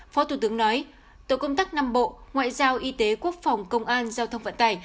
phó thủ tướng nói tổ công tác năm bộ ngoại giao y tế quốc phòng công an giao thông vận tải